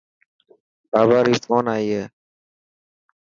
بابا ري فون آئي هي.